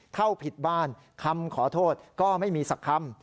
เข้าผิดบ้านคำขอโทษก็ไม่มีสักคำ